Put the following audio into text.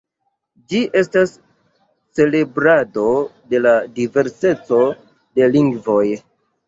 Ĝi estas celebrado de la diverseco de lingvoj.